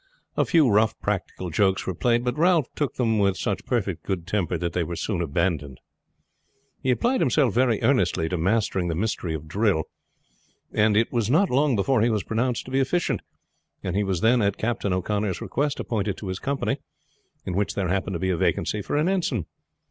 A few rough practical jokes were played; but Ralph took them with such perfect good temper that they were soon abandoned. He applied himself very earnestly to mastering the mystery of drill, and it was not long before he was pronounced to be efficient, and he was then at Captain O'Connor's request appointed to his company, in which there happened to be a vacancy for an ensign.